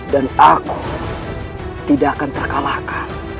dan aku tidak akan terkalahkan